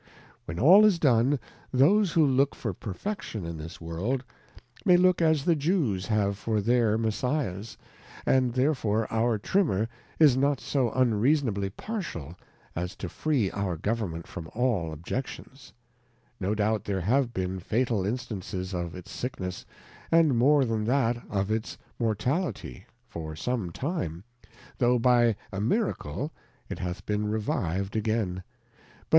When all is done, those who look for Perfection in this World, may look as the Jews have for their Messias, and therefore our Trimmer is not so un reasonably Partial as to free our Government from all objections ; no doubt there have been fatal Instances of its Sickness, and more than that, of its Mortality, for sometime, tho' by a Miracle, it hath been reviv'd again: but.